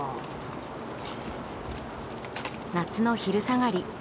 夏の昼下がり